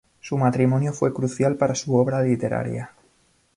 Su matrimonio fue crucial para su obra literaria.